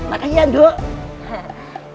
makasih ya nduk